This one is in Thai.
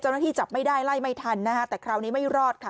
จับไม่ได้ไล่ไม่ทันนะคะแต่คราวนี้ไม่รอดค่ะ